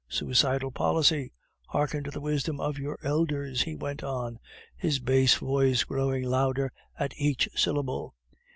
Suicidal policy! Hearken to the wisdom of your elders!" he went on, his bass voice growing louder at each syllable.